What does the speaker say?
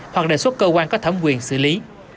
hoặc đề xuất cơ quan có thẩm quyền xử lý